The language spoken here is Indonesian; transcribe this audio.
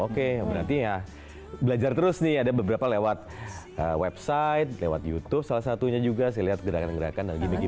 oke berarti ya belajar terus nih ada beberapa lewat website lewat youtube salah satunya juga saya lihat gerakan gerakan dan gini gini